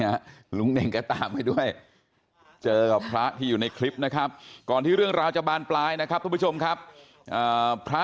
อย่ามาเถียงเลยเพราะผมเป็นพระไม่อยากจะเถียงใคร